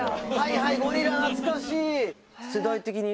はいゴリラ懐かしい！